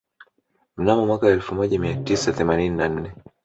Mnamo mwaka elfu moja mia tisa themanini na nne